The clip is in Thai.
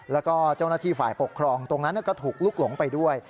แล้วก็เจ้าหน้าที่ฝ่ายปกครองตรงนั้นก็ถูกลุกหลงไปด้วย